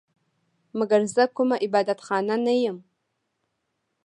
مګر زه کومه عبادت خانه نه یم